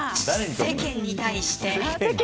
世間に対して。